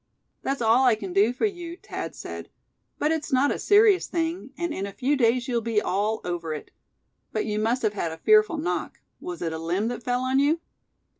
"That's all I can do for you," Thad said. "But it's not a serious thing, and in a few days you'll be all over it. But you must have had a fearful knock. Was it a limb that fell on you?"